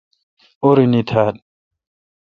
اورنی تھال۔